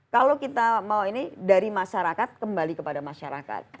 kalau kita mau ini dari masyarakat kembali kepada masyarakat